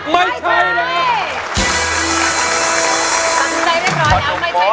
ไม่ใช้ครับ